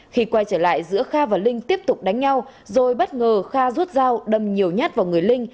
khi quay trở lại giữa kha và linh tiếp tục đánh nhau rồi bất ngờ kha rút dao đâm nhiều nhát vào người linh